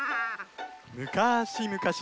むかしむかし